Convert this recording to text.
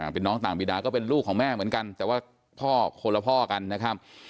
เป็นน้องต่างบีดาก็เป็นลูกของแม่เหมือนกันแต่ว่าพ่อคนละพ่อกันนะครับ